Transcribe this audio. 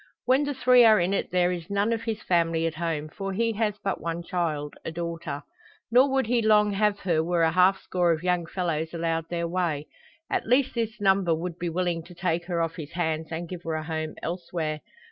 When the three are in it there is none of his family at home. For he has but one child a daughter. Nor would he long have her were a half score of young fellows allowed their way. At least this number would be willing to take her off his hands and give her a home elsewhere.